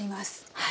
はい。